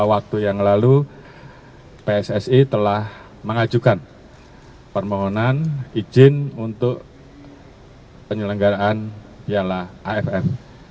waktu yang lalu pssi telah mengajukan permohonan izin untuk penyelenggaraan piala aff